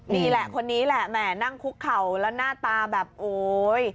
นี่แหละคนนี้แหละแหมนั่งคุกเข่าแล้วหน้าตาแบบโอ๊ย